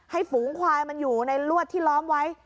ให้หูงควายอยู่ในลวดที่ล้อมไว้